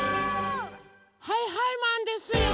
はいはいマンですよ！